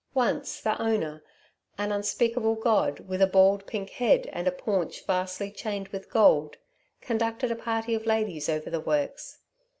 Once the Owner, an unspeakable god with a bald pink head and a paunch vastly chained with gold, conducted a party of ladies over the works.